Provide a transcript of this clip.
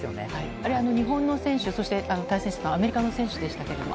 あれ、日本の選手、対戦していたアメリカの選手でしたけれども。